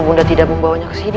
mudah tidak membawanya ke sini